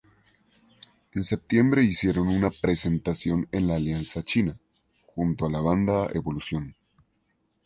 En septiembre hicieron una presentación en la Alianza China junto a la banda Evolución.